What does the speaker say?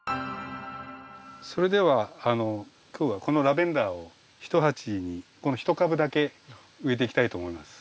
それでは今日はこのラベンダーを１鉢にこの１株だけ植えていきたいと思います。